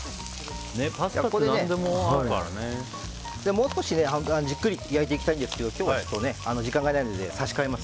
もう少しじっくり焼いていきたいんですけど今日は時間がないので差し替えます。